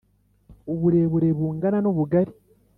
uburebure bungana n’ubugari.